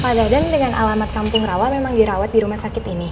pak dadan dengan alamat kampung rawa memang dirawat di rumah sakit ini